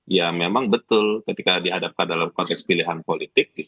ya memang betul ketika dihadapkan dalam konteks pilihan politik